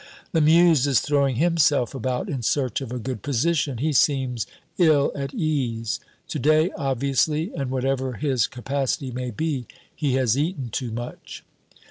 Lamuse is throwing himself about in search of a good position; he seems ill at ease. To day, obviously, and whatever his capacity may be, he has eaten too much.